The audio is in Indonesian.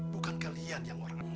bukan kalian yang orang